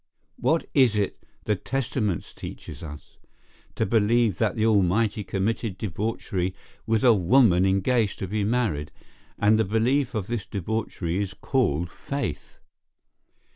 What is it the Testament teaches us?—to believe that the Almighty committed debauchery with a woman engaged to be married; and the belief of this debauchery is called faith.